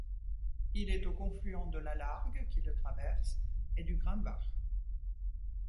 Il est au confluent de la Largue, qui le traverse, et du Grumbach.